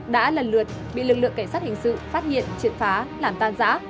đã lần lượt bị lực lượng cảnh sát hình sự phát hiện triệt phá làm tan giã